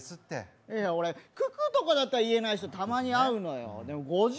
九九とかだったら言えない人たまに会うのよ、でも５０